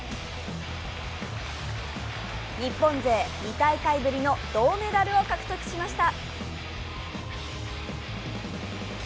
日本勢２大会ぶりの銅メダルを獲得しました。